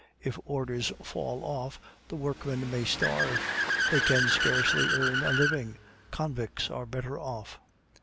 If orders fall off; the workmen may starve; they can scarcely earn a living, convicts are better off.